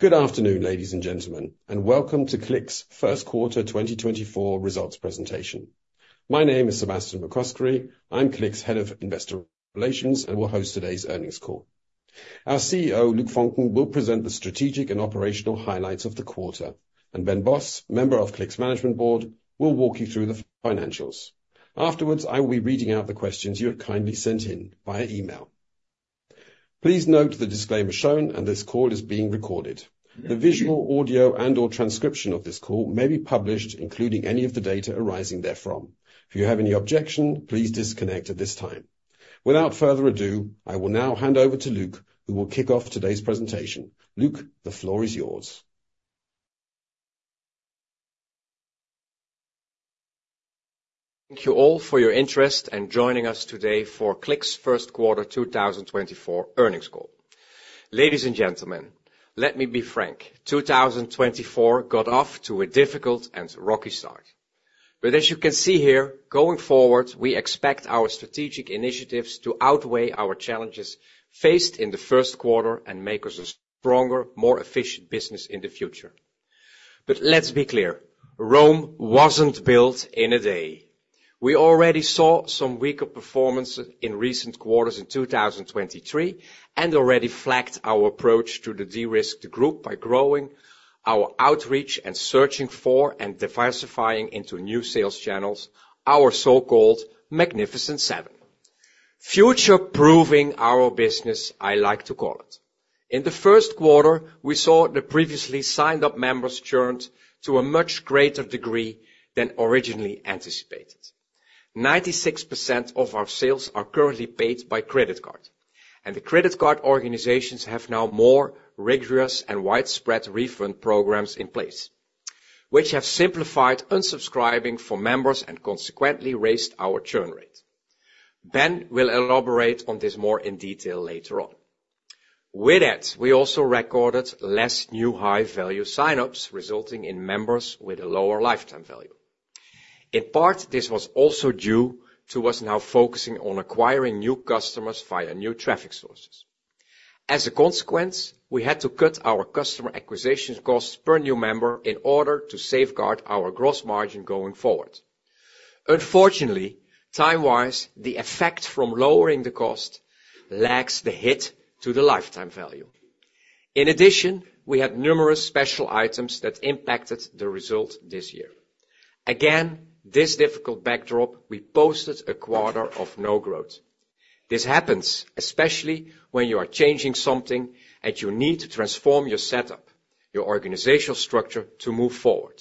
Good afternoon, ladies and gentlemen, and welcome to CLIQ's First Quarter 2024 results presentation. My name is Sebastian McCoskrie; I'm CLIQ's Head of Investor Relations and will host today's earnings call. Our CEO, Luc Voncken, will present the strategic and operational highlights of the quarter, and Ben Bos, member of CLIQ's Management Board, will walk you through the financials. Afterwards, I will be reading out the questions you have kindly sent in via email. Please note the disclaimer shown, and this call is being recorded. The visual, audio, and/or transcription of this call may be published, including any of the data arising therefrom. If you have any objection, please disconnect at this time. Without further ado, I will now hand over to Luc, who will kick off today's presentation. Luc, the floor is yours. Thank you all for your interest and joining us today for CLIQ's first quarter 2024 earnings call. Ladies and gentlemen, let me be frank: 2024 got off to a difficult and rocky start. But as you can see here, going forward, we expect our strategic initiatives to outweigh our challenges faced in the first quarter and make us a stronger, more efficient business in the future. But let's be clear: Rome wasn't built in a day. We already saw some weaker performance in recent quarters in 2023 and already flagged our approach to the de-risked group by growing our outreach and searching for and diversifying into new sales channels, our so-called Magnificent Seven. Future-proofing our business, I like to call it. In the first quarter, we saw the previously signed-up members churned to a much greater degree than originally anticipated. 96% of our sales are currently paid by credit card, and the credit card organizations have now more rigorous and widespread refund programs in place, which have simplified unsubscribing for members and consequently raised our churn rate. Ben will elaborate on this more in detail later on. With that, we also recorded less new high-value signups, resulting in members with a lower lifetime value. In part, this was also due to us now focusing on acquiring new customers via new traffic sources. As a consequence, we had to cut our customer acquisition costs per new member in order to safeguard our gross margin going forward. Unfortunately, time-wise, the effect from lowering the cost lacks the hit to the lifetime value. In addition, we had numerous special items that impacted the result this year. Again, this difficult backdrop, we posted a quarter of no growth. This happens especially when you are changing something and you need to transform your setup, your organizational structure, to move forward.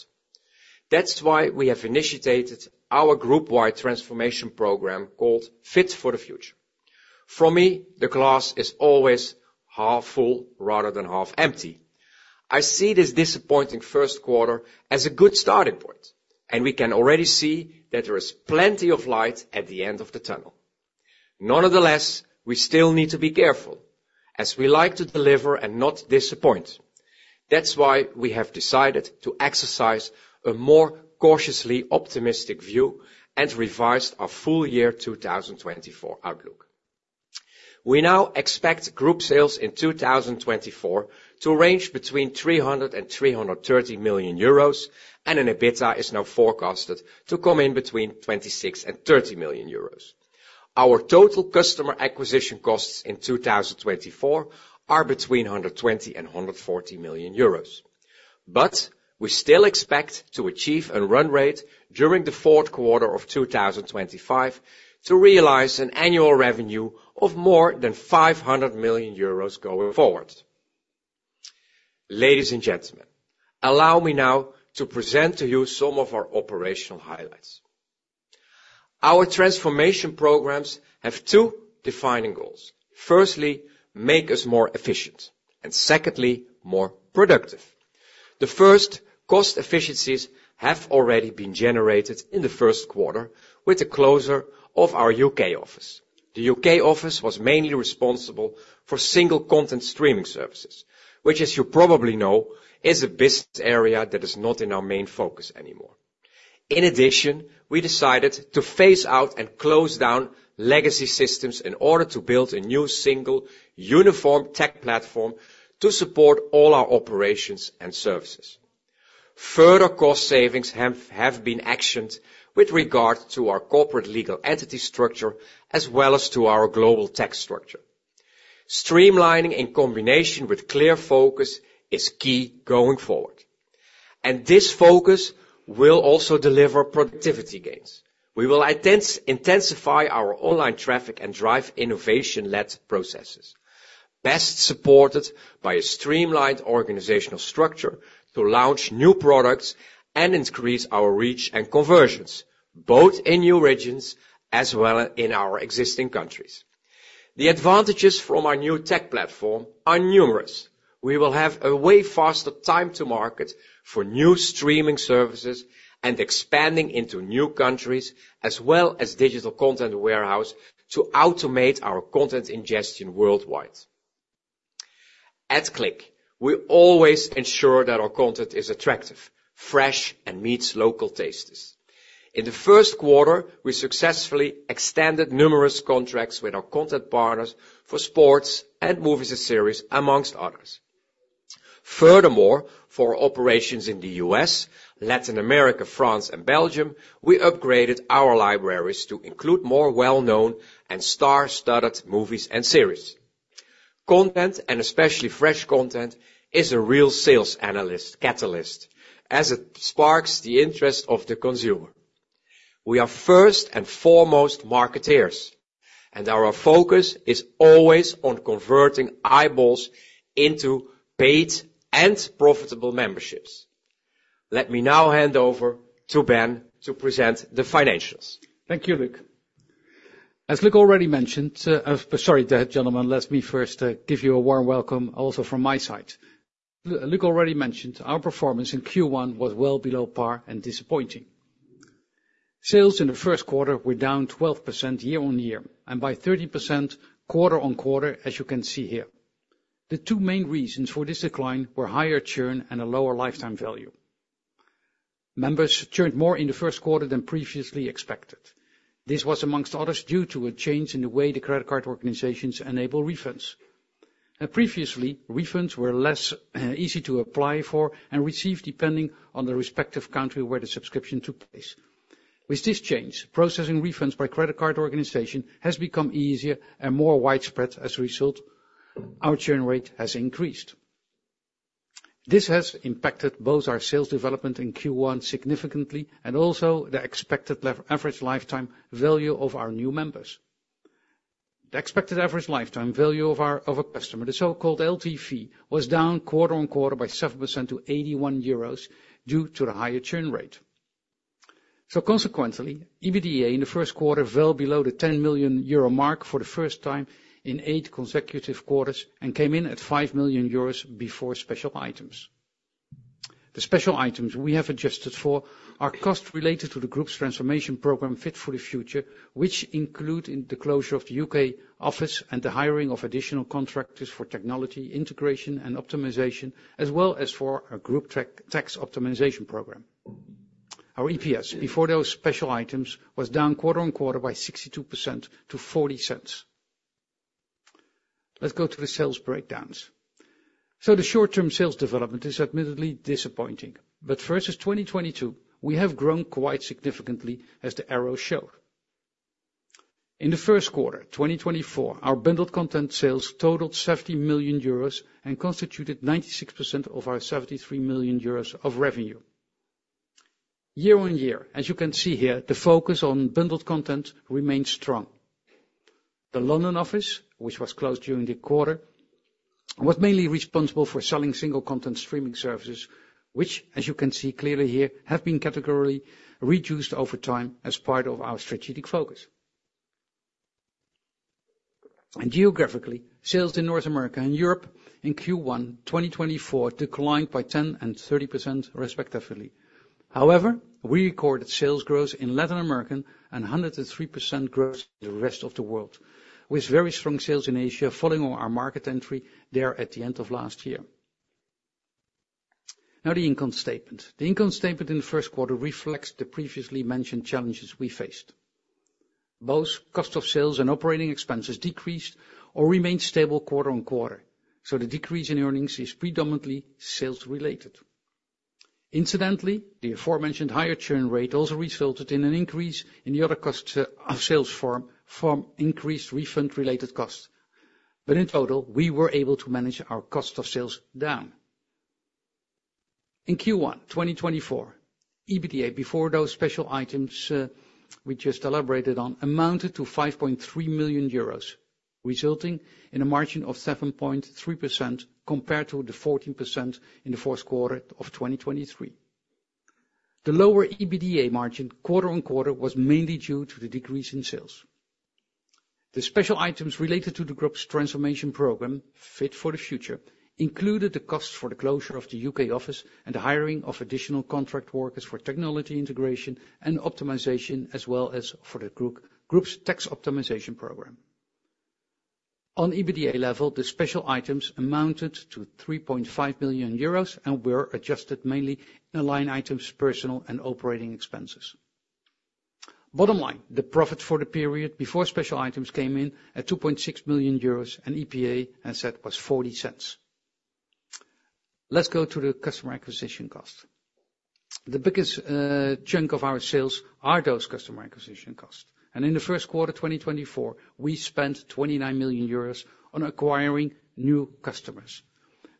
That's why we have initiated our group-wide transformation program called Fit for the Future. For me, the glass is always half full rather than half empty. I see this disappointing first quarter as a good starting point, and we can already see that there is plenty of light at the end of the tunnel. Nevertheless, we still need to be careful as we like to deliver and not disappoint. That's why we have decided to exercise a more cautiously optimistic view and revised our full year 2024 outlook. We now expect group sales in 2024 to range between 300 million-330 million euros, and an EBITDA is now forecasted to come in between 26 million-30 million euros. Our total customer acquisition costs in 2024 are between 120 million and 140 million euros, but we still expect to achieve a run rate during the fourth quarter of 2025 to realize an annual revenue of more than 500 million euros going forward. Ladies and gentlemen, allow me now to present to you some of our operational highlights. Our transformation programs have two defining goals: firstly, make us more efficient, and secondly, more productive. The first, cost efficiencies have already been generated in the first quarter with the closure of our UK office. The UK office was mainly responsible for single content streaming services, which, as you probably know, is a business area that is not in our main focus anymore. In addition, we decided to phase out and close down legacy systems in order to build a new single uniform tech platform to support all our operations and services. Further cost savings have been actioned with regard to our corporate legal entity structure as well as to our global tech structure. Streamlining in combination with clear focus is key going forward, and this focus will also deliver productivity gains. We will intensify our online traffic and drive innovation-led processes, best supported by a streamlined organizational structure to launch new products and increase our reach and conversions, both in new regions as well as in our existing countries. The advantages from our new tech platform are numerous. We will have a way faster time to market for new streaming services and expanding into new countries as well as digital content warehouse to automate our content ingestion worldwide. At CLIQ, we always ensure that our content is attractive, fresh, and meets local tastes. In the first quarter, we successfully extended numerous contracts with our content partners for sports and movies series, among others. Furthermore, for operations in the U.S., Latin America, France, and Belgium, we upgraded our libraries to include more well-known and star-studded movies and series. Content, and especially fresh content, is a real sales catalyst as it sparks the interest of the consumer. We are first and foremost marketers, and our focus is always on converting eyeballs into paid and profitable memberships. Let me now hand over to Ben to present the financials. Thank you, Luc. As Luc already mentioned, sorry, gentlemen, let me first give you a warm welcome also from my side. Luc already mentioned our performance in Q1 was well below par and disappointing. Sales in the first quarter were down 12% year-over-year and by 30% quarter-over-quarter, as you can see here. The two main reasons for this decline were higher churn and a lower lifetime value. Members churned more in the first quarter than previously expected. This was, amongst others, due to a change in the way the credit card organizations enable refunds. Previously, refunds were less easy to apply for and receive depending on the respective country where the subscription took place. With this change, processing refunds by credit card organization has become easier and more widespread as a result. Our churn rate has increased. This has impacted both our sales development in Q1 significantly and also the expected average lifetime value of our new members. The expected average lifetime value of a customer, the so-called LTV, was down quarter-on-quarter by 7% to 81 euros due to the higher churn rate. So consequently, EBITDA in the first quarter fell below the 10 million euro mark for the first time in eight consecutive quarters and came in at 5 million euros before special items. The special items we have adjusted for are costs related to the group's transformation program Fit for the Future, which include the closure of the UK office and the hiring of additional contractors for technology integration and optimization, as well as for a group tax optimization program. Our EPS before those special items was down quarter-on-quarter by 62% to 0.40. Let's go to the sales breakdowns. So the short-term sales development is admittedly disappointing, but versus 2022, we have grown quite significantly as the arrows show. In the first quarter 2024, our bundled content sales totaled 70 million euros and constituted 96% of our 73 million euros of revenue. Year-on-year, as you can see here, the focus on bundled content remained strong. The London office, which was closed during the quarter, was mainly responsible for selling single content streaming services, which, as you can see clearly here, have been categorically reduced over time as part of our strategic focus. Geographically, sales in North America and Europe in Q1 2024 declined by 10% and 30% respectively. However, we recorded sales growth in Latin America and 103% growth in the rest of the world, with very strong sales in Asia following our market entry there at the end of last year. Now the income statement. The income statement in the first quarter reflects the previously mentioned challenges we faced. Both cost of sales and operating expenses decreased or remained stable quarter-on-quarter, so the decrease in earnings is predominantly sales-related. Incidentally, the aforementioned higher churn rate also resulted in an increase in the other cost of sales form: increased refund-related costs. But in total, we were able to manage our cost of sales down. In Q1 2024, EBITDA before those special items we just elaborated on amounted to 5.3 million euros, resulting in a margin of 7.3% compared to the 14% in the fourth quarter of 2023. The lower EBITDA margin quarter-on-quarter was mainly due to the decrease in sales. The special items related to the group's transformation program Fit for the Future included the costs for the closure of the UK office and the hiring of additional contract workers for technology integration and optimization, as well as for the group's tax optimization program. On EBITDA level, the special items amounted to 3.5 million euros and were adjusted mainly in the line items personnel and operating expenses. Bottom line, the profit for the period before special items came in at 2.6 million euros, and EPS was 0.40. Let's go to the customer acquisition costs. The biggest chunk of our sales are those customer acquisition costs. In the first quarter 2024, we spent 29 million euros on acquiring new customers.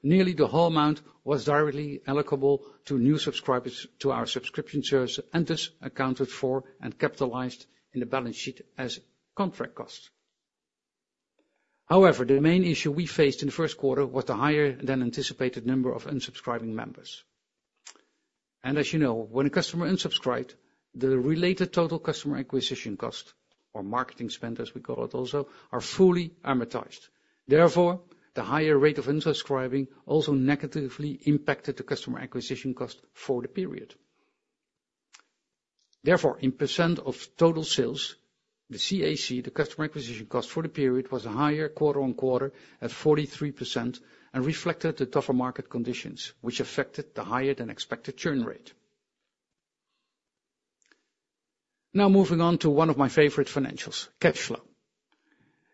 Nearly the whole amount was directly allocable to new subscribers to our subscription service and thus accounted for and capitalized in the balance sheet as contract costs. However, the main issue we faced in the first quarter was the higher than anticipated number of unsubscribing members. As you know, when a customer unsubscribed, the related total customer acquisition costs, or marketing spend as we call it also, are fully amortized. Therefore, the higher rate of unsubscribing also negatively impacted the customer acquisition costs for the period. Therefore, in percent of total sales, the CAC, the customer acquisition costs for the period, was higher quarter-on-quarter at 43% and reflected the tougher market conditions, which affected the higher than expected churn rate. Now moving on to one of my favorite financials: cash flow.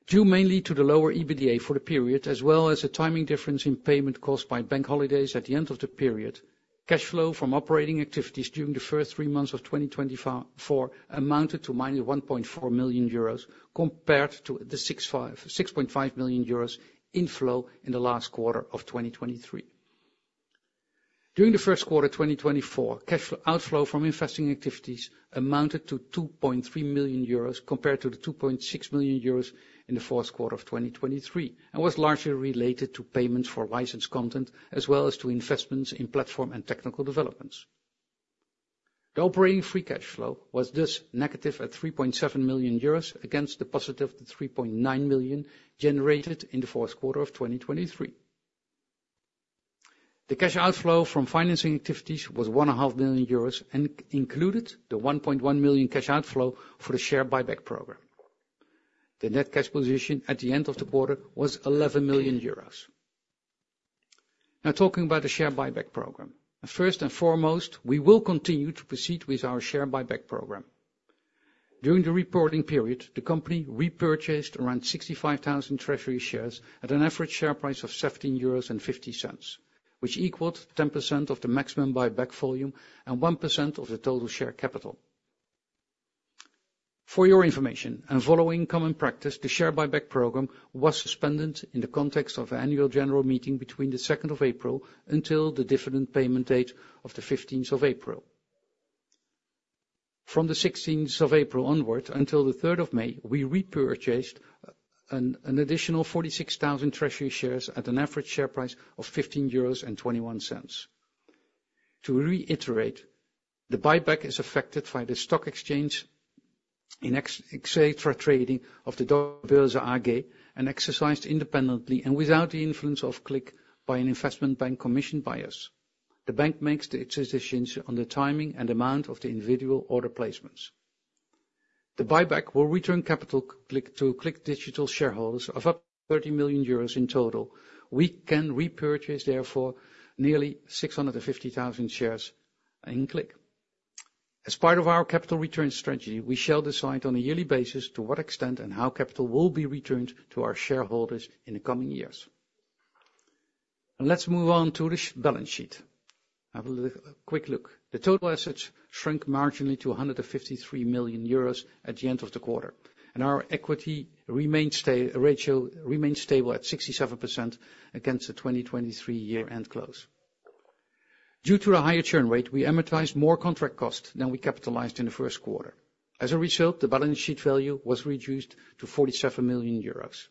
Due mainly to the lower EBITDA for the period, as well as a timing difference in payment costs by bank holidays at the end of the period, cash flow from operating activities during the first three months of 2024 amounted to -1.4 million euros compared to the 6.5 million euros inflow in the last quarter of 2023. During the first quarter 2024, cash flow outflow from investing activities amounted to 2.3 million euros compared to the 2.6 million euros in the fourth quarter of 2023 and was largely related to payments for licensed content, as well as to investments in platform and technical developments. The operating free cash flow was thus negative at 3.7 million euros against the positive 3.9 million generated in the fourth quarter of 2023. The cash outflow from financing activities was 1.5 million euros and included the 1.1 million cash outflow for the share buyback program. The net cash position at the end of the quarter was 11 million euros. Now talking about the share buyback program. First and foremost, we will continue to proceed with our share buyback program. During the reporting period, the company repurchased around 65,000 treasury shares at an average share price of 17.50 euros, which equaled 10% of the maximum buyback volume and 1% of the total share capital. For your information, and following common practice, the share buyback program was suspended in the context of an annual general meeting between the 2nd of April until the dividend payment date of the 15th of April. From the 16th of April onward until the 3rd of May, we repurchased an additional 46,000 treasury shares at an average share price of 15.21 euros. To reiterate, the buyback is effected by the stock exchange in Xetra trading of the Deutsche Börse AG and executed independently and without the influence of CLIQ by an investment bank commissioned by us. The bank makes its decisions on the timing and amount of the individual order placements. The buyback will return capital to CLIQ Digital shareholders of up to 30 million euros in total. We can repurchase, therefore, nearly 650,000 shares in CLIQ. As part of our capital return strategy, we shall decide on a yearly basis to what extent and how capital will be returned to our shareholders in the coming years. Let's move on to the balance sheet. Have a quick look. The total assets shrunk marginally to 153 million euros at the end of the quarter, and our equity ratio remained stable at 67% against the 2023 year-end close. Due to the higher churn rate, we amortized more contract costs than we capitalized in the first quarter. As a result, the balance sheet value was reduced to 47 million euros.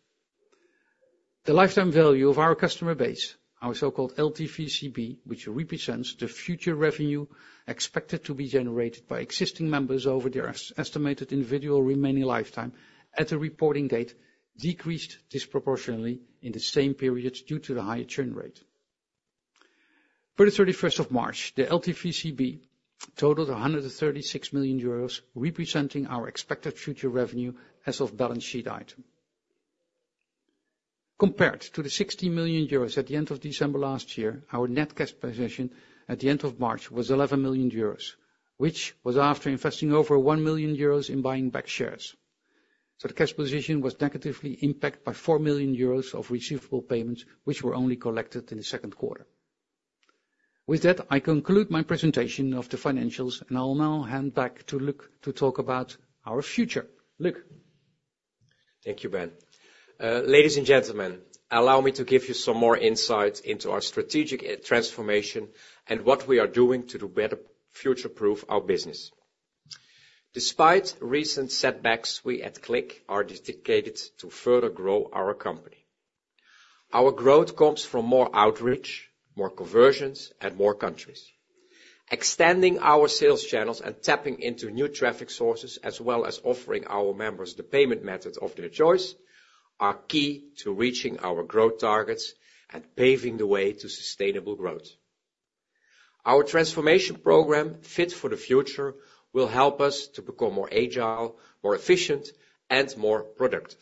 The lifetime value of our customer base, our so-called LTVCB, which represents the future revenue expected to be generated by existing members over their estimated individual remaining lifetime at the reporting date, decreased disproportionately in the same period due to the higher churn rate. By the 31st of March, the LTVCB totaled 136 million euros, representing our expected future revenue as of balance sheet item. Compared to the 60 million euros at the end of December last year, our net cash position at the end of March was 11 million euros, which was after investing over 1 million euros in buying back shares. So the cash position was negatively impacted by 4 million euros of receivable payments, which were only collected in the second quarter. With that, I conclude my presentation of the financials, and I will now hand back to Luc to talk about our future. Luc. Thank you, Ben. Ladies and gentlemen, allow me to give you some more insight into our strategic transformation and what we are doing to better future-proof our business. Despite recent setbacks, we at CLIQ are dedicated to further grow our company. Our growth comes from more outreach, more conversions, and more countries. Extending our sales channels and tapping into new traffic sources, as well as offering our members the payment method of their choice, are key to reaching our growth targets and paving the way to sustainable growth. Our transformation program Fit for the Future will help us to become more agile, more efficient, and more productive.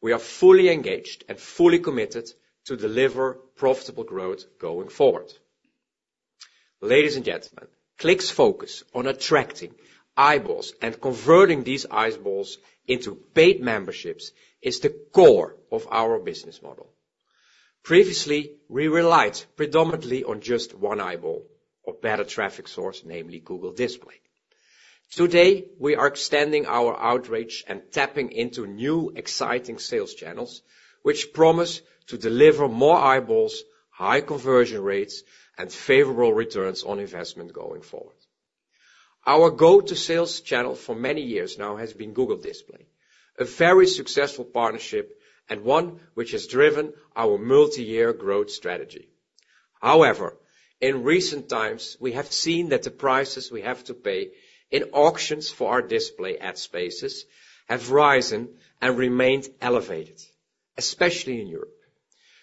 We are fully engaged and fully committed to deliver profitable growth going forward. Ladies and gentlemen, CLIQ's focus on attracting eyeballs and converting these eyeballs into paid memberships is the core of our business model. Previously, we relied predominantly on just one eyeball or better traffic source, namely Google Display. Today, we are extending our outreach and tapping into new exciting sales channels, which promise to deliver more eyeballs, high conversion rates, and favorable returns on investment going forward. Our go-to sales channel for many years now has been Google Display, a very successful partnership and one which has driven our multi-year growth strategy. However, in recent times, we have seen that the prices we have to pay in auctions for our display ad spaces have risen and remained elevated, especially in Europe.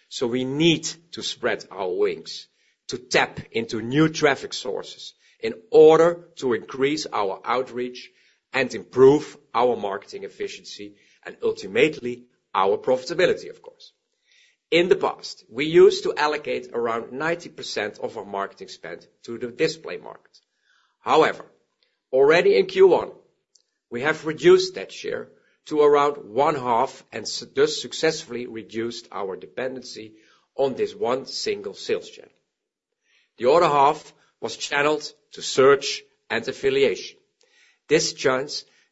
So we need to spread our wings, to tap into new traffic sources in order to increase our outreach and improve our marketing efficiency and ultimately our profitability, of course. In the past, we used to allocate around 90% of our marketing spend to the display market. However, already in Q1, we have reduced that share to around one half and thus successfully reduced our dependency on this one single sales channel. The other half was channeled to search and affiliation.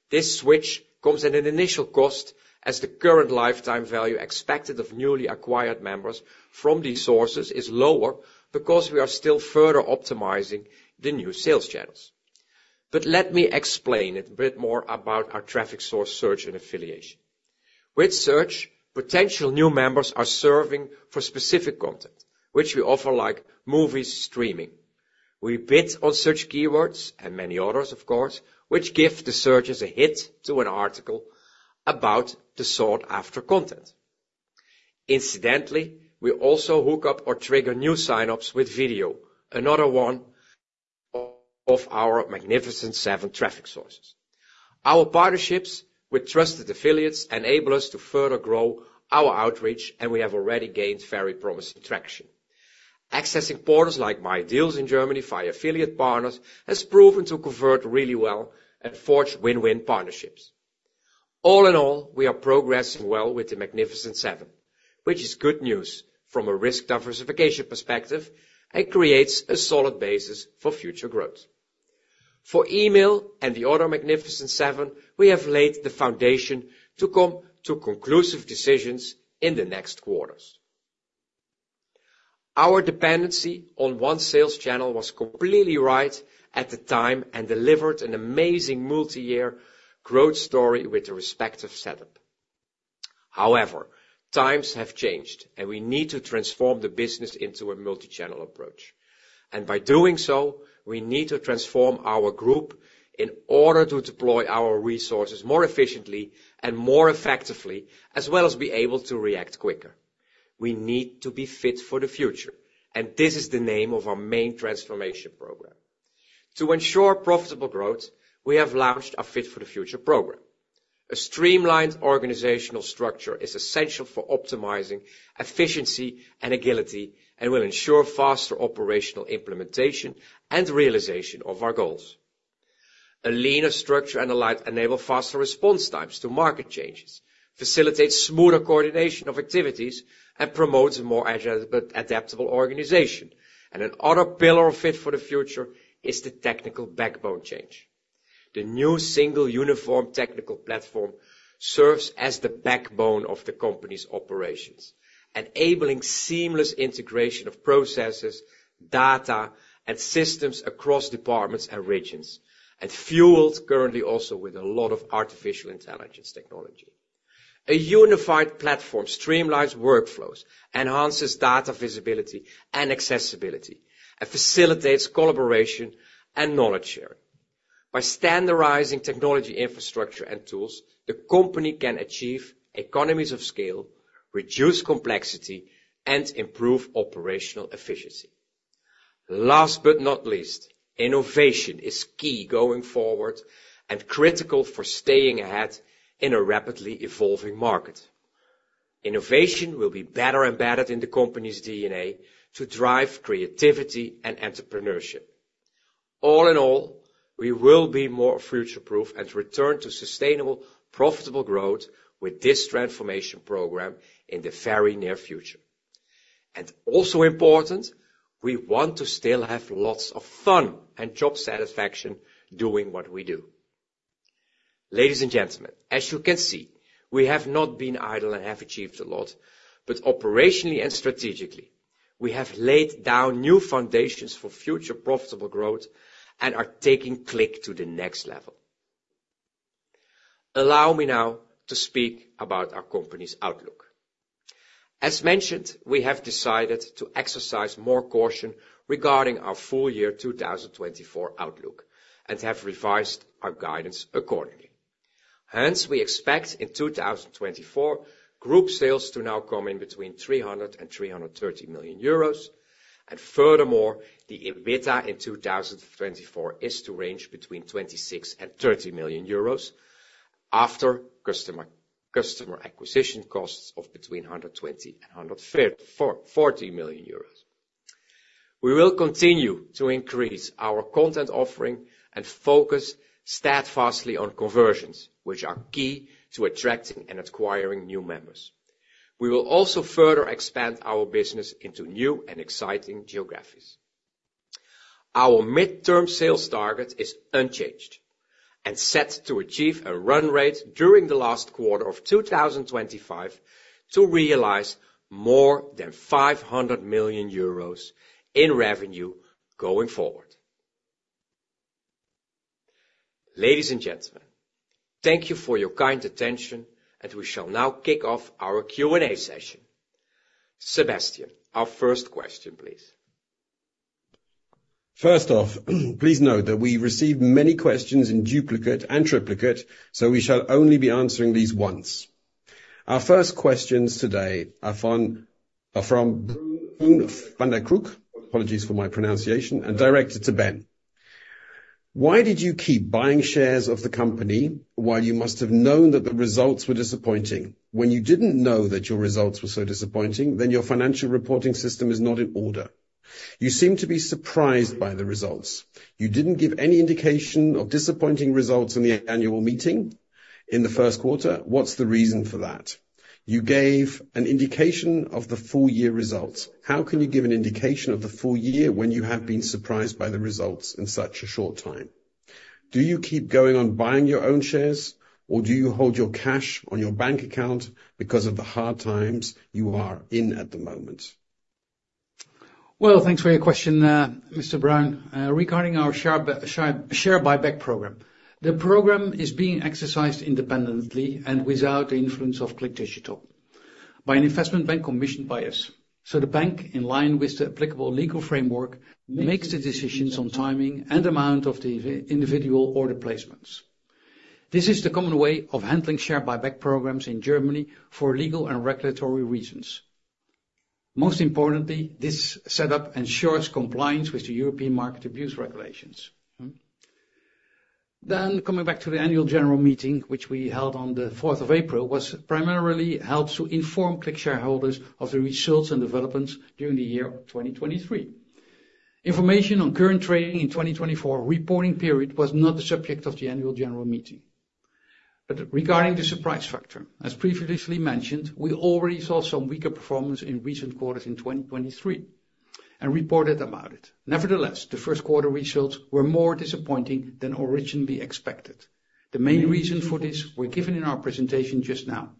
This switch comes at an initial cost, as the current lifetime value expected of newly acquired members from these sources is lower because we are still further optimizing the new sales channels. But let me explain a bit more about our traffic source search and affiliation. With search, potential new members are searching for specific content, which we offer like movie streaming. We bid on search keywords and many others, of course, which give the searches a hit to an article about the sought-after content. Incidentally, we also hook up or trigger new sign-ups with video, another one of our Magnificent Seven traffic sources. Our partnerships with trusted affiliates enable us to further grow our outreach, and we have already gained very promising traction. Accessing portals like MyDealz in Germany via affiliate partners has proven to convert really well and forge win-win partnerships. All in all, we are progressing well with the Magnificent Seven, which is good news from a risk diversification perspective and creates a solid basis for future growth. For email and the other Magnificent Seven, we have laid the foundation to come to conclusive decisions in the next quarters. Our dependency on one sales channel was completely right at the time and delivered an amazing multi-year growth story with the respective setup. However, times have changed, and we need to transform the business into a multi-channel approach. By doing so, we need to transform our group in order to deploy our resources more efficiently and more effectively, as well as be able to react quicker. We need to be Fit for the Future, and this is the name of our main transformation program. To ensure profitable growth, we have launched our Fit for the Future program. A streamlined organizational structure is essential for optimizing efficiency and agility and will ensure faster operational implementation and realization of our goals. A leaner structure and alignment enable faster response times to market changes, facilitate smoother coordination of activities, and promote a more agile but adaptable organization. Another pillar of Fit for the Future is the technical backbone change. The new single uniform technical platform serves as the backbone of the company's operations, enabling seamless integration of processes, data, and systems across departments and regions, and fuelled currently also with a lot of artificial intelligence technology. A unified platform streamlines workflows, enhances data visibility and accessibility, and facilitates collaboration and knowledge sharing. By standardizing technology infrastructure and tools, the company can achieve economies of scale, reduce complexity, and improve operational efficiency. Last but not least, innovation is key going forward and critical for staying ahead in a rapidly evolving market. Innovation will be better embedded in the company's DNA to drive creativity and entrepreneurship. All in all, we will be more future-proof and return to sustainable, profitable growth with this transformation program in the very near future. And also important, we want to still have lots of fun and job satisfaction doing what we do. Ladies and gentlemen, as you can see, we have not been idle and have achieved a lot, but operationally and strategically, we have laid down new foundations for future profitable growth and are taking CLIQ to the next level. Allow me now to speak about our company's outlook. As mentioned, we have decided to exercise more caution regarding our full year 2024 outlook and have revised our guidance accordingly. Hence, we expect in 2024 group sales to now come in between 300 million-330 million euros. And furthermore, the EBITDA in 2024 is to range between 26 million-30 million euros after customer acquisition costs of between 120 million-140 million euros. We will continue to increase our content offering and focus steadfastly on conversions, which are key to attracting and acquiring new members. We will also further expand our business into new and exciting geographies. Our mid-term sales target is unchanged and set to achieve a run rate during the last quarter of 2025 to realize more than 500 million euros in revenue going forward. Ladies and gentlemen, thank you for your kind attention, and we shall now kick off our Q&A session. Sebastian, our first question, please. First off, please note that we received many questions in duplicate and triplicate, so we shall only be answering these once. Our first questions today are from Bruno van der Krogt, apologies for my pronunciation, and directed to Ben. Why did you keep buying shares of the company while you must have known that the results were disappointing? When you didn't know that your results were so disappointing, then your financial reporting system is not in order. You seem to be surprised by the results. You didn't give any indication of disappointing results in the annual meeting in the first quarter. What's the reason for that? You gave an indication of the full year results. How can you give an indication of the full year when you have been surprised by the results in such a short time? Do you keep going on buying your own shares, or do you hold your cash on your bank account because of the hard times you are in at the moment? Well, thanks for your question, Mr. Bruno. Regarding our share buyback program, the program is being exercised independently and without the influence of CLIQ Digital by an investment bank commissioned by us. So the bank, in line with the applicable legal framework, makes the decisions on timing and amount of the individual order placements. This is the common way of handling share buyback programs in Germany for legal and regulatory reasons. Most importantly, this setup ensures compliance with the European market abuse regulations. Then, coming back to the Annual General Meeting, which we held on the 4th of April, was primarily helps to inform CLIQ shareholders of the results and developments during the year 2023. Information on current trading in 2024 reporting period was not the subject of the Annual General Meeting. Regarding the surprise factor, as previously mentioned, we already saw some weaker performance in recent quarters in 2023 and reported about it. Nevertheless, the first quarter results were more disappointing than originally expected. The main reason for this was given in our presentation just now.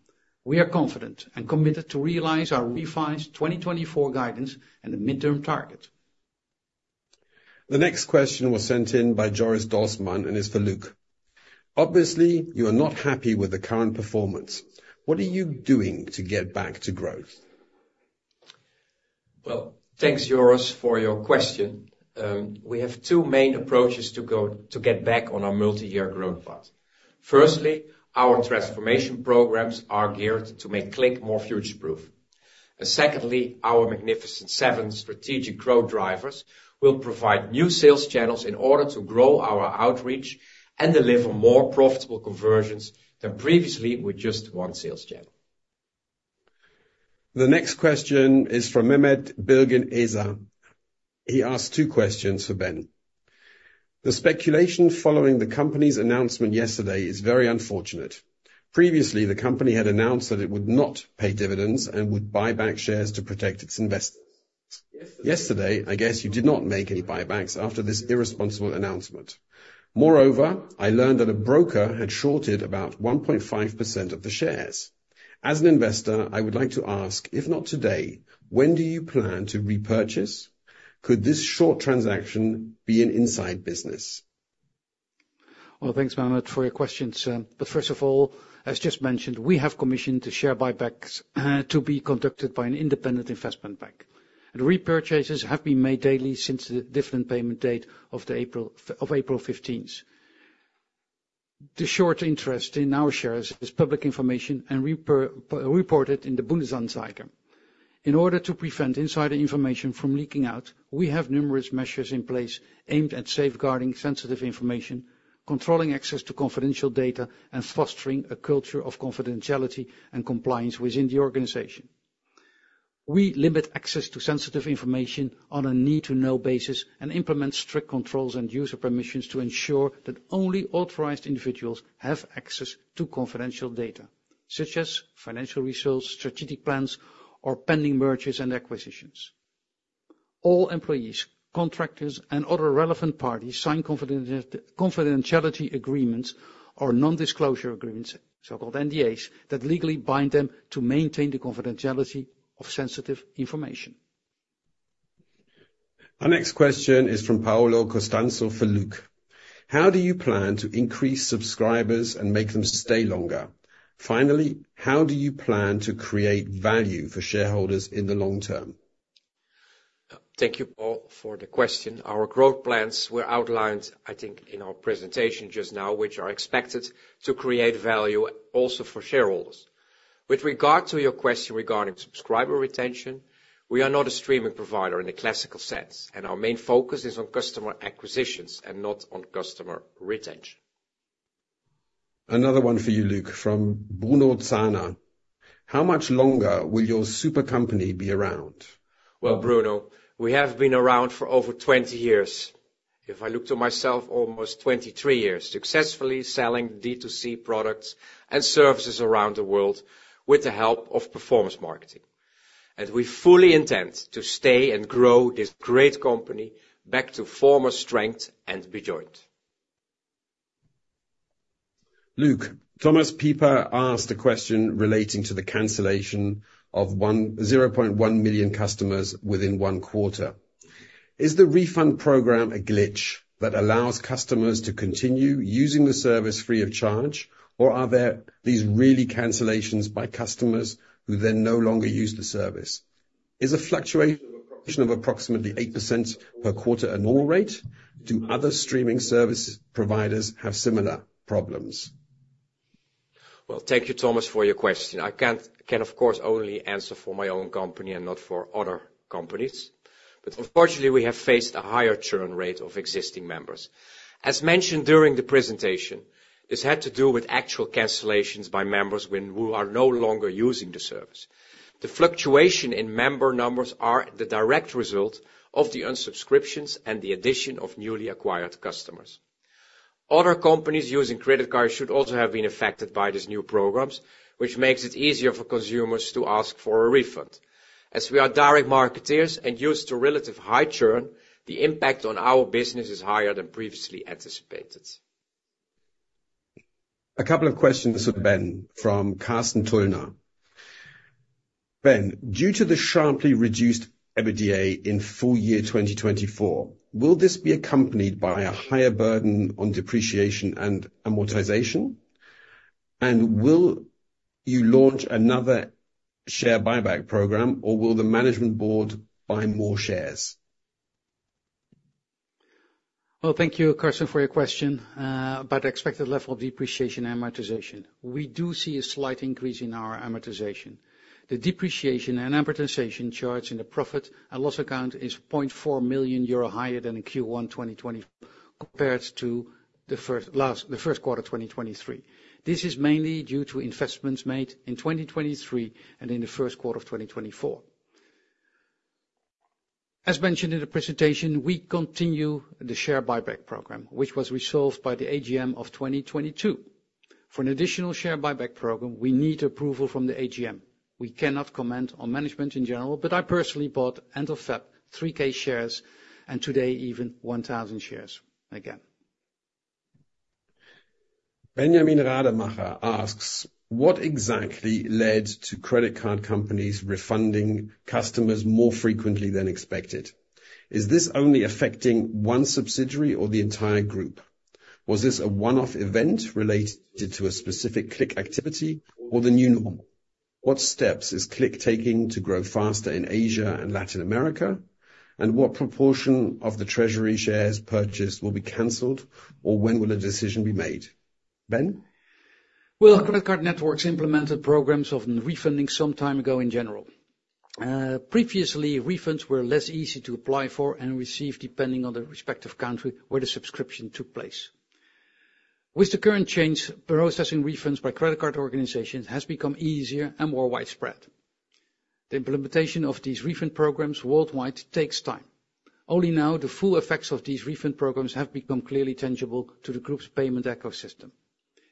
We are confident and committed to realize our revised 2024 guidance and the mid-term target. The next question was sent in by Joris Dorsman, and it's for Luc. Obviously, you are not happy with the current performance. What are you doing to get back to growth? Well, thanks, Joris, for your question. We have two main approaches to get back on our multi-year growth path. Firstly, our transformation programs are geared to make CLIQ more future-proof. Secondly, our Magnificent Seven strategic growth drivers will provide new sales channels in order to grow our outreach and deliver more profitable conversions than previously with just one sales channel. The next question is from Mehmet Bilgin Ezer. He asks two questions for Ben. The speculation following the company's announcement yesterday is very unfortunate. Previously, the company had announced that it would not pay dividends and would buy back shares to protect its investors. Yesterday, I guess you did not make any buybacks after this irresponsible announcement. Moreover, I learned that a broker had shorted about 1.5% of the shares. As an investor, I would like to ask, if not today, when do you plan to repurchase? Could this short transaction be an inside business? Well, thanks, Mehmet, for your questions. But first of all, as just mentioned, we have commissioned the share buybacks to be conducted by an independent investment bank. And repurchases have been made daily since the dividend payment date of April 15th. The short interest in our shares is public information and reported in the Bundesanzeiger. In order to prevent insider information from leaking out, we have numerous measures in place aimed at safeguarding sensitive information, controlling access to confidential data, and fostering a culture of confidentiality and compliance within the organization. We limit access to sensitive information on a need-to-know basis and implement strict controls and user permissions to ensure that only authorized individuals have access to confidential data, such as financial results, strategic plans, or pending mergers and acquisitions. All employees, contractors, and other relevant parties sign confidentiality agreements or non-disclosure agreements, so-called NDAs, that legally bind them to maintain the confidentiality of sensitive information. Our next question is from Paolo Costanzo for Luc. How do you plan to increase subscribers and make them stay longer? Finally, how do you plan to create value for shareholders in the long term? Thank you, Paul, for the question. Our growth plans were outlined, I think, in our presentation just now, which are expected to create value also for shareholders. With regard to your question regarding subscriber retention, we are not a streaming provider in the classical sense, and our main focus is on customer acquisitions and not on customer retention. Another one for you, Luc, from Bruno Zahner. How much longer will your super company be around? Well, Bruno, we have been around for over 20 years. If I look to myself, almost 23 years, successfully selling D2C products and services around the world with the help of performance marketing. And we fully intend to stay and grow this great company back to former strength and be joint. Luc, Thomas Pieper asked a question relating to the cancellation of 0.1 million customers within one quarter. Is the refund program a glitch that allows customers to continue using the service free of charge, or are these really cancellations by customers who then no longer use the service? Is a fluctuation of approximately 8% per quarter a normal rate? Do other streaming service providers have similar problems? Well, thank you, Thomas, for your question. I can, of course, only answer for my own company and not for other companies. But unfortunately, we have faced a higher churn rate of existing members. As mentioned during the presentation, this had to do with actual cancellations by members who are no longer using the service. The fluctuation in member numbers is the direct result of the unsubscriptions and the addition of newly acquired customers. Other companies using credit cards should also have been affected by these new programs, which makes it easier for consumers to ask for a refund. As we are direct marketers and used to relative high churn, the impact on our business is higher than previously anticipated. A couple of questions for Ben from Carsten Thullner. Ben, due to the sharply reduced EBITDA in full year 2024, will this be accompanied by a higher burden on depreciation and amortization? And will you launch another share buyback program, or will the management board buy more shares? Well, thank you, Carsten, for your question about the expected level of depreciation and amortization. We do see a slight increase in our amortization. The depreciation and amortization charges in the profit and loss account are 0.4 million euro higher than in Q1 2024 compared to the first quarter 2023. This is mainly due to investments made in 2023 and in the first quarter of 2024. As mentioned in the presentation, we continue the share buyback program, which was resolved by the AGM of 2022. For an additional share buyback program, we need approval from the AGM. We cannot comment on management in general, but I personally bought end of February 3,000 shares and today even 1,000 shares again. Benjamin Rademacher asks, what exactly led to credit card companies refunding customers more frequently than expected? Is this only affecting one subsidiary or the entire group? Was this a one-off event related to a specific CLIQ activity or the new normal? What steps is CLIQ taking to grow faster in Asia and Latin America? And what proportion of the Treasury shares purchased will be canceled, or when will a decision be made? Ben? Well, credit card networks implemented programs of refunding some time ago in general. Previously, refunds were less easy to apply for and receive depending on the respective country where the subscription took place. With the current change, processing refunds by credit card organizations has become easier and more widespread. The implementation of these refund programs worldwide takes time. Only now, the full effects of these refund programs have become clearly tangible to the group's payment ecosystem.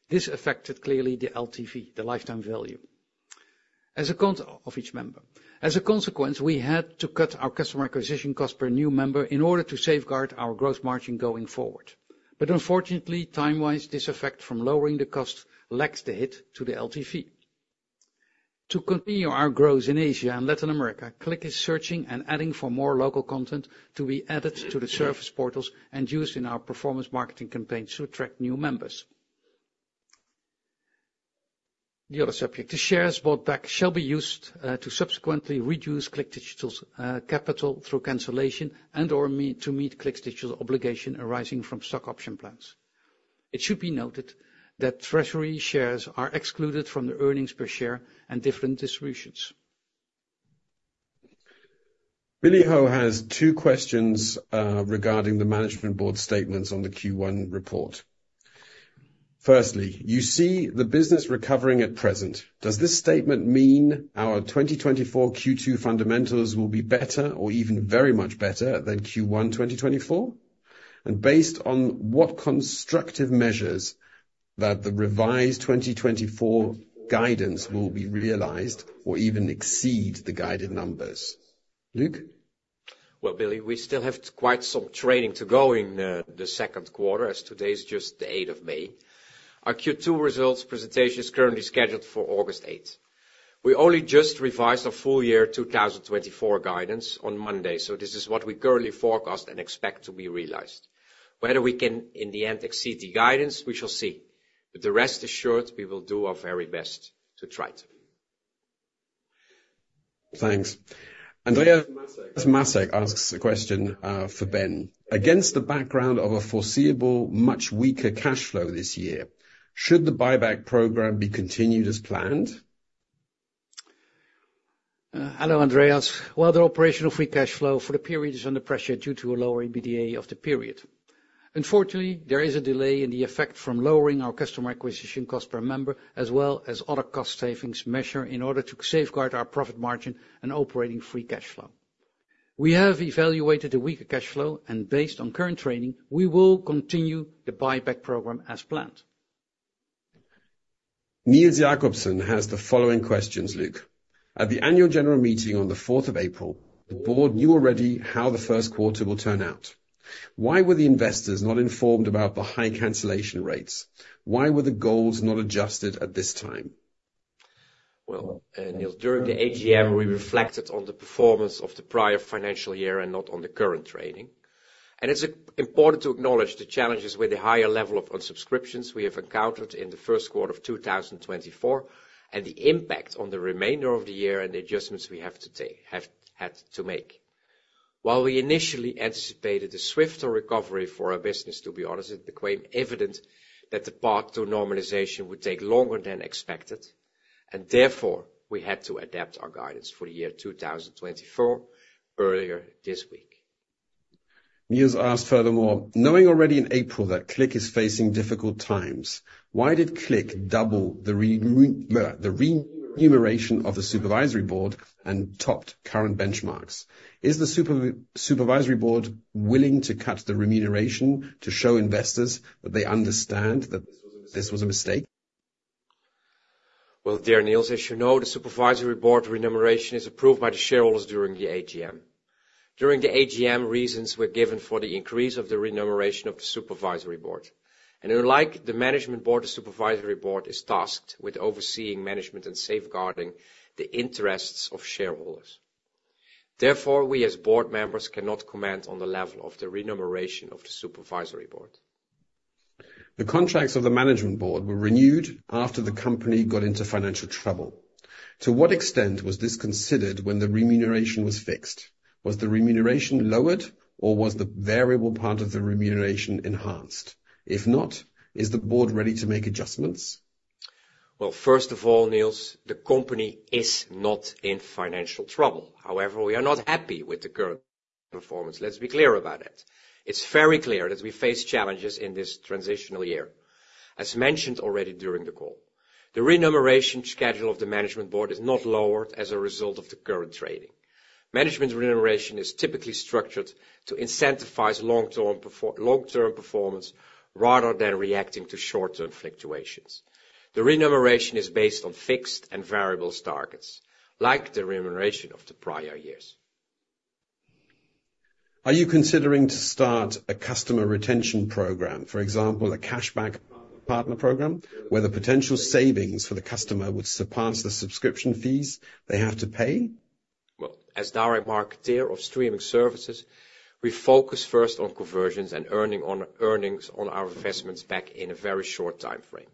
This affected clearly the LTV, the lifetime value, as a consequence of each member. As a consequence, we had to cut our customer acquisition costs per new member in order to safeguard our growth margin going forward. But unfortunately, time-wise, this effect from lowering the cost lacks the hit to the LTV. To continue our growth in Asia and Latin America, CLIQ is searching and adding for more local content to be added to the service portals and used in our performance marketing campaigns to attract new members. The other subject, the shares bought back, shall be used to subsequently reduce CLIQ Digital's capital through cancellation and/or to meet CLIQ's dilution obligation arising from stock option plans. It should be noted that Treasury shares are excluded from the earnings per share and different distributions. Billy Ho has two questions regarding the management board statements on the Q1 report. Firstly, you see the business recovering at present. Does this statement mean our 2024 Q2 fundamentals will be better or even very much better than Q1 2024? And based on what constructive measures that the revised 2024 guidance will be realized or even exceed the guided numbers? Luc? Well, Billy, we still have quite some trading to go in the second quarter, as today is just the 8th of May. Our Q2 results presentation is currently scheduled for August 8th. We only just revised our full year 2024 guidance on Monday, so this is what we currently forecast and expect to be realised. Whether we can in the end exceed the guidance, we shall see. But rest assured, we will do our very best to try to. Thanks. Andreas Masek asks a question for Ben. Against the background of a foreseeable much weaker cash flow this year, should the buyback program be continued as planned? Hello, Andreas. While the operating free cash flow for the period is under pressure due to a lower EBITDA of the period, unfortunately, there is a delay in the effect from lowering our customer acquisition costs per member as well as other cost savings measures in order to safeguard our profit margin and operating free cash flow. We have evaluated the weaker cash flow, and based on current trading, we will continue the buyback program as planned. Nils Jacobsen has the following questions, Luc. At the annual general meeting on the 4th of April, the board knew already how the first quarter will turn out. Why were the investors not informed about the high cancellation rates? Why were the goals not adjusted at this time? Well, Nils, during the AGM, we reflected on the performance of the prior financial year and not on the current trading. And it's important to acknowledge the challenges with the higher level of unsubscriptions we have encountered in the first quarter of 2024 and the impact on the remainder of the year and the adjustments we have to make. While we initially anticipated a swifter recovery for our business, to be honest, it became evident that the path to normalization would take longer than expected, and therefore, we had to adapt our guidance for the year 2024 earlier this week. Nils asked furthermore, knowing already in April that CLIQ is facing difficult times, why did CLIQ double the remuneration of the supervisory board and topped current benchmarks? Is the supervisory board willing to cut the remuneration to show investors that they understand that this was a mistake? Well, dear Nils, as you know, the supervisory board remuneration is approved by the shareholders during the AGM. During the AGM, reasons were given for the increase of the remuneration of the supervisory board. Unlike the management board, the supervisory board is tasked with overseeing management and safeguarding the interests of shareholders. Therefore, we as board members cannot comment on the level of the remuneration of the supervisory board. The contracts of the Management Board were renewed after the company got into financial trouble. To what extent was this considered when the remuneration was fixed? Was the remuneration lowered, or was the variable part of the remuneration enhanced? If not, is the board ready to make adjustments? Well, first of all, Nils, the company is not in financial trouble. However, we are not happy with the current performance. Let's be clear about that. It's very clear that we face challenges in this transitional year. As mentioned already during the call, the remuneration schedule of the management board is not lowered as a result of the current trading. Management remuneration is typically structured to incentivize long-term performance rather than reacting to short-term fluctuations. The remuneration is based on fixed and variable targets, like the remuneration of the prior years. Are you considering to start a customer retention program, for example, a cashback partner program, where the potential savings for the customer would surpass the subscription fees they have to pay? Well, as direct marketer of streaming services, we focus first on conversions and earnings on our investments back in a very short timeframe.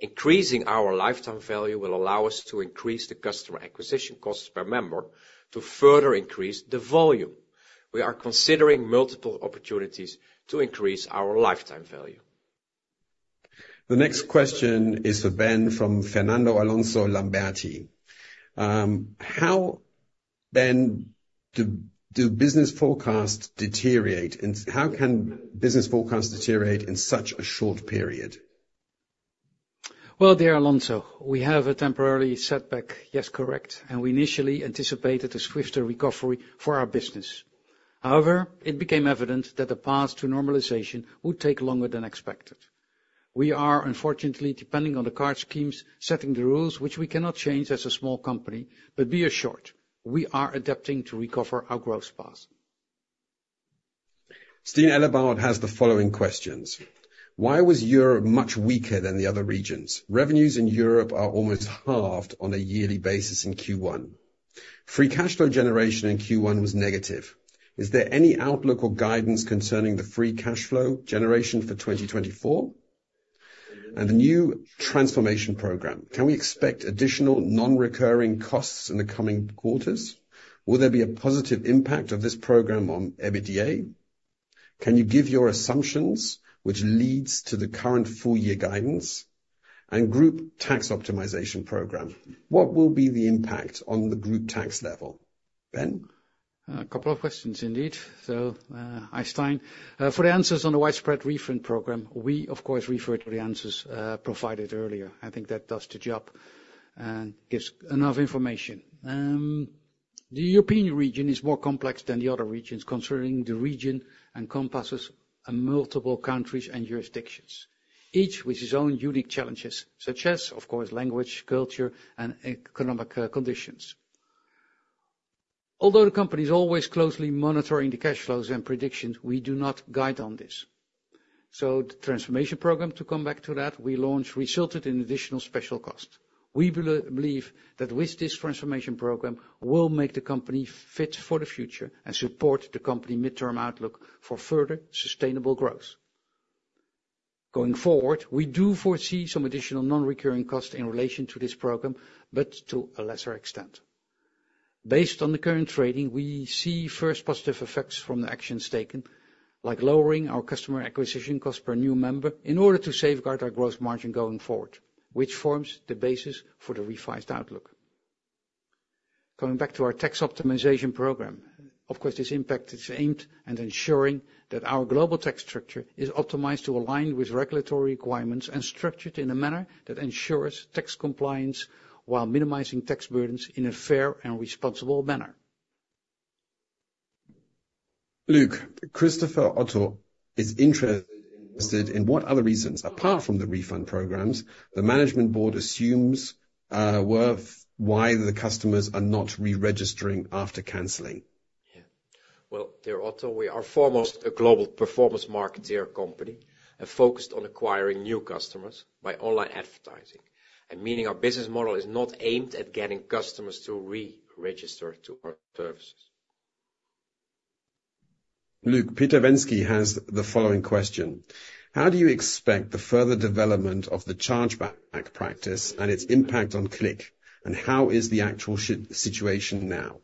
Increasing our lifetime value will allow us to increase the customer acquisition costs per member to further increase the volume. We are considering multiple opportunities to increase our lifetime value. The next question is for Ben from Fernando Alonso Lamberti. Ben, do business forecasts deteriorate? How can business forecasts deteriorate in such a short period? Well, dear Alonso, we have a temporary setback, yes, correct, and we initially anticipated a swifter recovery for our business. However, it became evident that the path to normalization would take longer than expected. We are, unfortunately, depending on the card schemes setting the rules, which we cannot change as a small company, but be assured, we are adapting to recover our growth path. Stine Ellegaard has the following questions. Why was Europe much weaker than the other regions? Revenues in Europe are almost halved on a yearly basis in Q1. Free cash flow generation in Q1 was negative. Is there any outlook or guidance concerning the free cash flow generation for 2024? And the new transformation program, can we expect additional non-recurring costs in the coming quarters? Will there be a positive impact of this program on EBITDA? Can you give your assumptions, which leads to the current full year guidance? And group tax optimization program, what will be the impact on the group tax level? Ben? A couple of questions indeed. So, Stein, for the answers on the widespread refund program, we, of course, refer to the answers provided earlier. I think that does the job and gives enough information. The European region is more complex than the other regions concerning the region and comprises multiple countries and jurisdictions, each with its own unique challenges such as, of course, language, culture, and economic conditions. Although the company is always closely monitoring the cash flows and predictions, we do not guide on this. So the transformation program, to come back to that, we launched resulted in additional special costs. We believe that with this transformation program, we'll make the company Fit for the Future and support the company mid-term outlook for further sustainable growth. Going forward, we do foresee some additional non-recurring costs in relation to this program, but to a lesser extent. Based on the current trading, we see first positive effects from the actions taken, like lowering our customer acquisition costs per new member in order to safeguard our growth margin going forward, which forms the basis for the revised outlook. Coming back to our tax optimization program, of course, this impact is aimed at ensuring that our global tax structure is optimized to align with regulatory requirements and structured in a manner that ensures tax compliance while minimizing tax burdens in a fair and responsible manner. Luc, Christopher Otto is interested in what other reasons, apart from the refund programs, the management board assumes were why the customers are not re-registering after canceling? Yeah. Well, dear Otto, we are foremost a global performance marketing company and focused on acquiring new customers by online advertising, and meaning our business model is not aimed at getting customers to re-register to our services. Luc, Peter Wensky has the following question. How do you expect the further development of the chargeback practice and its impact on CLIQ, and how is the actual situation now?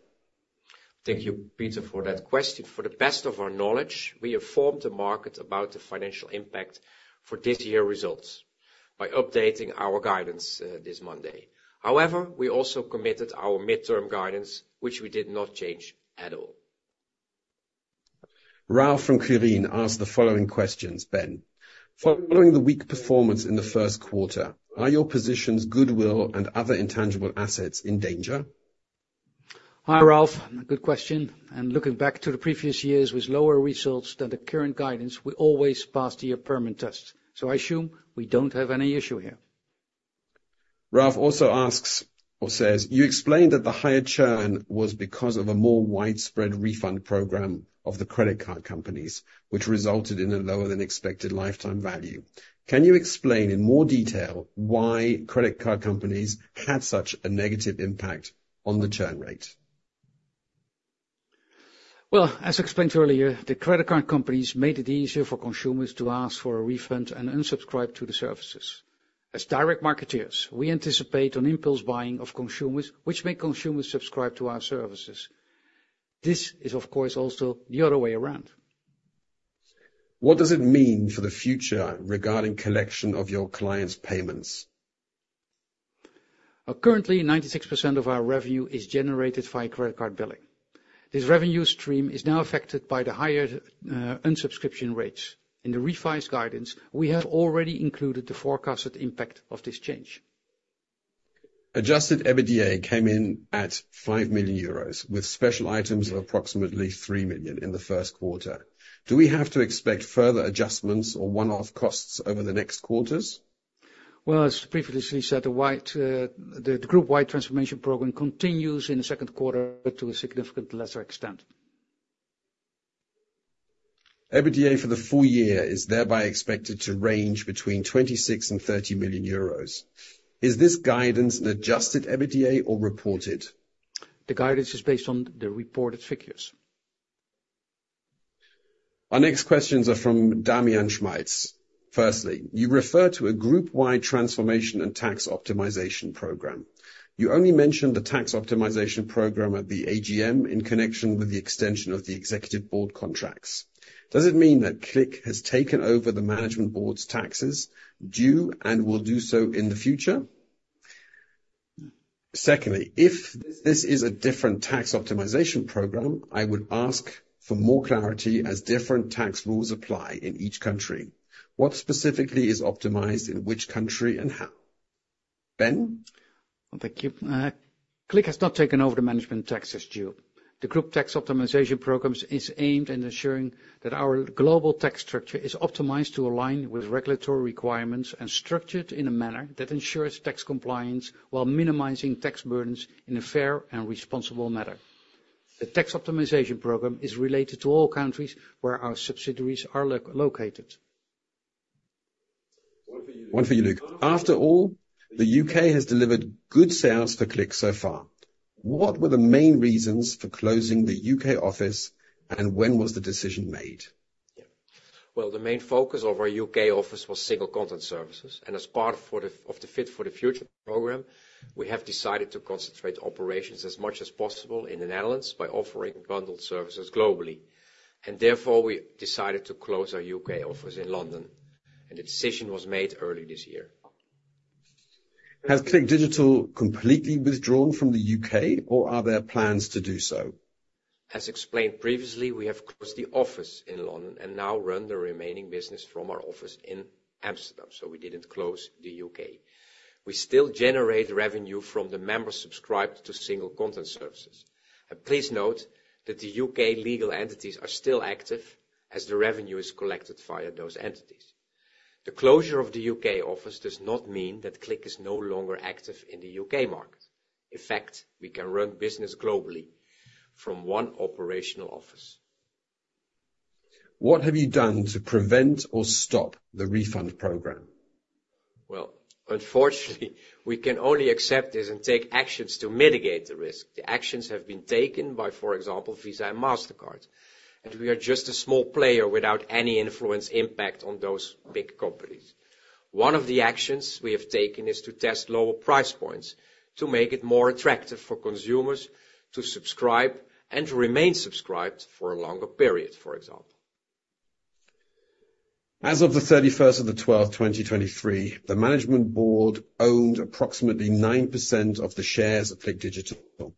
Thank you, Peter, for that question. To the best of our knowledge, we have informed the market about the financial impact for this year's results by updating our guidance this Monday. However, we also confirmed our mid-term guidance, which we did not change at all. Ralf from Quirin asked the following questions, Ben. Following the weak performance in the first quarter, are your positions, goodwill, and other intangible assets in danger? Hi, Ralph. Good question. Looking back to the previous years with lower results than the current guidance, we always passed the year-permanent test. I assume we don't have any issue here. Ralph also asks or says, you explained that the higher churn was because of a more widespread refund program of the credit card companies, which resulted in a lower than expected lifetime value. Can you explain in more detail why credit card companies had such a negative impact on the churn rate? Well, as explained earlier, the credit card companies made it easier for consumers to ask for a refund and unsubscribe to the services. As direct marketeers, we anticipate an impulse buying of consumers, which made consumers subscribe to our services. This is, of course, also the other way around. What does it mean for the future regarding collection of your clients' payments? Currently, 96% of our revenue is generated via credit card billing. This revenue stream is now affected by the higher unsubscription rates. In the revised guidance, we have already included the forecasted impact of this change. Adjusted EBITDA came in at 5 million euros, with special items of approximately 3 million in the first quarter. Do we have to expect further adjustments or one-off costs over the next quarters? Well, as previously said, the group-wide transformation program continues in the second quarter to a significantly lesser extent. EBITDA for the full year is thereby expected to range between 26 million and 30 million euros. Is this guidance an adjusted EBITDA or reported? The guidance is based on the reported figures. Our next questions are from Damian Schmitz. Firstly, you refer to a group-wide transformation and tax optimization program. You only mentioned the tax optimization program at the AGM in connection with the extension of the executive board contracts. Does it mean that CLIQ has taken over the management board's taxes to date and will do so in the future? Secondly, if this is a different tax optimization program, I would ask for more clarity as different tax rules apply in each country. What specifically is optimized in which country and how? Ben? Thank you. CLIQ has not taken over the management taxes due. The group tax optimization program is aimed at ensuring that our global tax structure is optimized to align with regulatory requirements and structured in a manner that ensures tax compliance while minimizing tax burdens in a fair and responsible manner. The tax optimization program is related to all countries where our subsidiaries are located. One for you, Luc. After all, the U.K. has delivered good sales for CLIQ so far. What were the main reasons for closing the U.K. office, and when was the decision made? Well, the main focus of our U.K. office was single content services, and as part of the Fit for the Future program, we have decided to concentrate operations as much as possible in the Netherlands by offering bundled services globally. And therefore, we decided to close our U.K. office in London. And the decision was made early this year. Has CLIQ Digital completely withdrawn from the UK, or are there plans to do so? As explained previously, we have closed the office in London and now run the remaining business from our office in Amsterdam. We didn't close the UK. We still generate revenue from the members subscribed to single content services. Please note that the UK legal entities are still active as the revenue is collected via those entities. The closure of the UK office does not mean that CLIQ is no longer active in the UK market. In fact, we can run business globally from one operational office. What have you done to prevent or stop the refund program? Well, unfortunately, we can only accept this and take actions to mitigate the risk. The actions have been taken by, for example, Visa and Mastercard. We are just a small player without any influence impact on those big companies. One of the actions we have taken is to test lower price points to make it more attractive for consumers to subscribe and to remain subscribed for a longer period, for example. As of the 31st of the 12th, 2023, the management board owned approximately 9% of the shares of CLIQ Digital.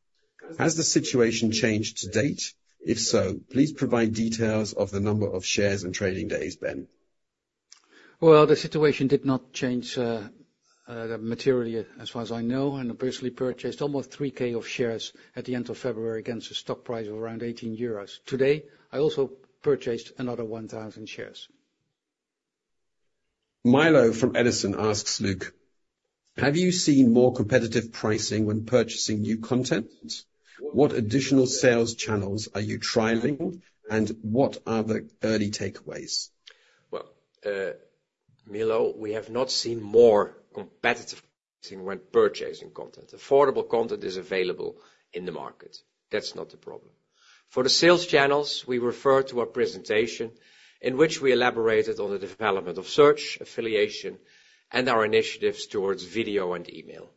Has the situation changed to date? If so, please provide details of the number of shares and trading days, Ben. Well, the situation did not change materially as far as I know. I personally purchased almost 3,000 shares at the end of February against a stock price of around 18 euros. Today, I also purchased another 1,000 shares. Milo from Edison asks, Luc, have you seen more competitive pricing when purchasing new content? What additional sales channels are you trialing, and what are the early takeaways? Well, Milo, we have not seen more competitive pricing when purchasing content. Affordable content is available in the market. That's not the problem. For the sales channels, we refer to our presentation in which we elaborated on the development of search, affiliation, and our initiatives towards video and email.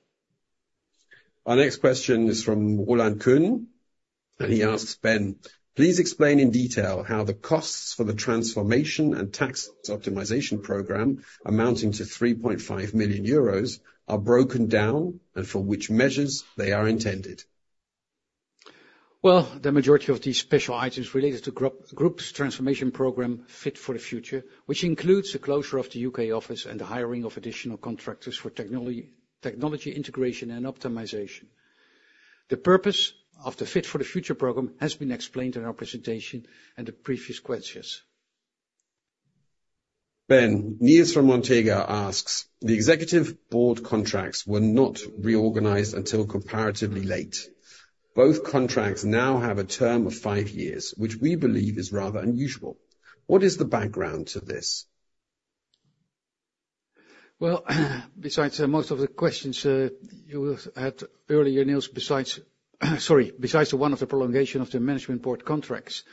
Our next question is from Roland Konen. He asks, Ben, please explain in detail how the costs for the transformation and tax optimization program amounting to 3.5 million euros are broken down and for which measures they are intended. Well, the majority of these special items related to Group's transformation program Fit for the Future, which includes the closure of the UK office and the hiring of additional contractors for technology integration and optimization. The purpose of the Fit for the Future program has been explained in our presentation and the previous questions. Ben, Nils from Montega asks, the executive board contracts were not reorganized until comparatively late. Both contracts now have a term of five years, which we believe is rather unusual. What is the background to this? Well, besides most of the questions you had earlier, Nils, sorry, besides the one of the prolongation of the management board contracts,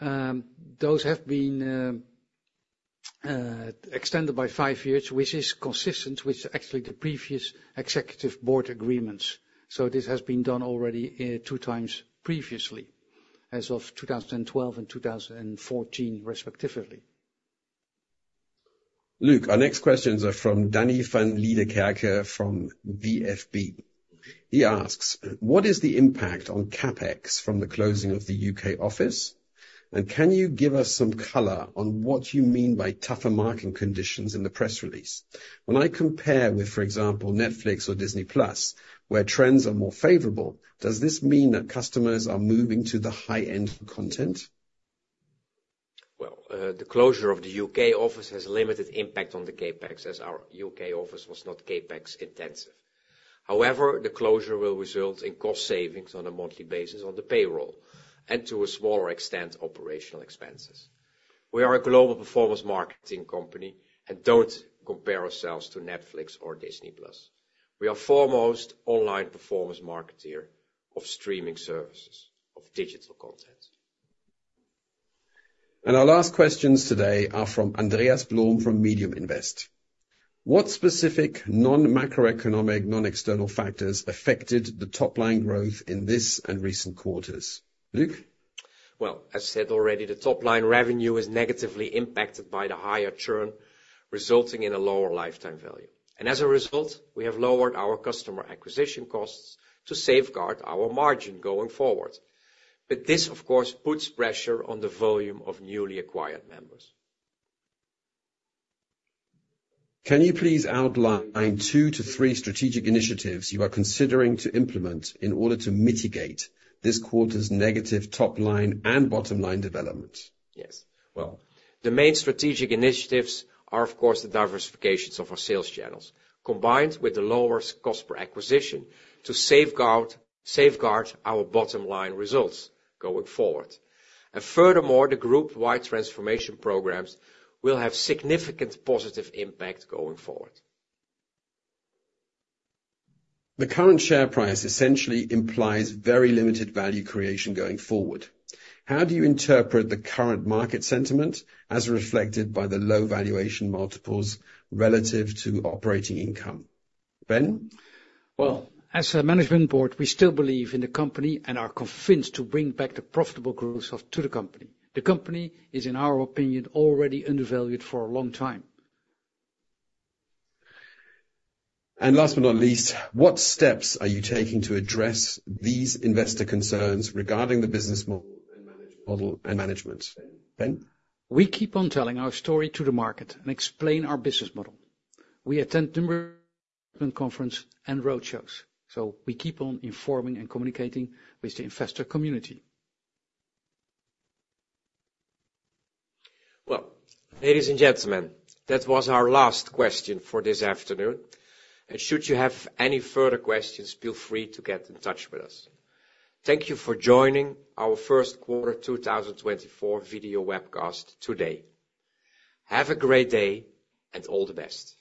those have been extended by 5 years, which is consistent with actually the previous executive board agreements. So this has been done already 2 times previously, as of 2012 and 2014, respectively. Luc, our next questions are from Danny Van Liedekerke from VFB. He asks, what is the impact on CapEx from the closing of the UK office? And can you give us some color on what you mean by tougher marketing conditions in the press release? When I compare with, for example, Netflix or Disney+, where trends are more favorable, does this mean that customers are moving to the high-end content? Well, the closure of the UK office has a limited impact on the CapEx as our UK office was not CapEx intensive. However, the closure will result in cost savings on a monthly basis on the payroll and, to a smaller extent, operational expenses. We are a global performance marketing company and don't compare ourselves to Netflix or Disney+. We are foremost online performance marketer of streaming services, of digital content. Our last questions today are from Andreas Blom from Medium Invest. What specific non-macroeconomic, non-external factors affected the top-line growth in this and recent quarters? Luc? Well, as said already, the top-line revenue is negatively impacted by the higher churn, resulting in a lower lifetime value. As a result, we have lowered our customer acquisition costs to safeguard our margin going forward. This, of course, puts pressure on the volume of newly acquired members. Can you please outline 2-3 strategic initiatives you are considering to implement in order to mitigate this quarter's negative top-line and bottom-line development? Yes. Well, the main strategic initiatives are, of course, the diversifications of our sales channels, combined with the lower cost per acquisition to safeguard our bottom-line results going forward. Furthermore, the group-wide transformation programs will have significant positive impact going forward. The current share price essentially implies very limited value creation going forward. How do you interpret the current market sentiment as reflected by the low valuation multiples relative to operating income? Ben? Well, as a management board, we still believe in the company and are convinced to bring back the profitable growth to the company. The company is, in our opinion, already undervalued for a long time. Last but not least, what steps are you taking to address these investor concerns regarding the business model and management? Ben? We keep on telling our story to the market and explain our business model. We attend investment conferences and roadshows. We keep on informing and communicating with the investor community. Well, ladies and gentlemen, that was our last question for this afternoon. Should you have any further questions, feel free to get in touch with us. Thank you for joining our first quarter 2024 video webcast today. Have a great day and all the best.